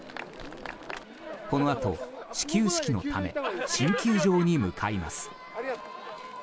このあと、始球式のため新球場に向かいます。